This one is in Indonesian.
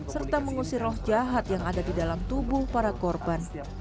serta mengusir roh jahat yang ada di dalam tubuh para korban